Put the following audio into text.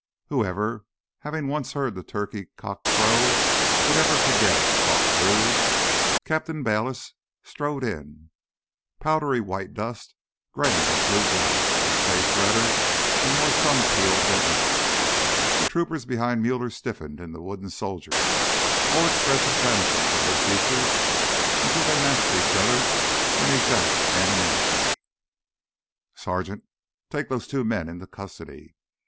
Whoever, having once heard that turkey cock crow, could ever forget it, thought Drew. Captain Bayliss strode in, powdery white dust graying his blue blouse, his face redder and more sun peeled than ever. The troopers behind Muller stiffened into wooden soldiers, all expression vanishing from their features until they matched each other in exact anonymity. "Sergeant, take those two men into custody."